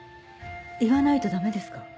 言わないとダメですか？